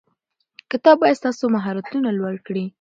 کتاب باید ستاسو مهارتونه لوړ کړي.